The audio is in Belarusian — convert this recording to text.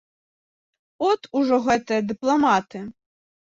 От ужо гэтыя дыпламаты!